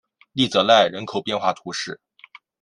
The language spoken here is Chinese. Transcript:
利泽赖人口变化图示